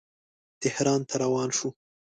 تهران ته روان شو.